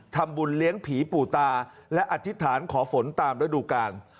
ธรรมบุญเลี้ยงผีปู่ตาและอจิตฐานขอฝนตามระดูการ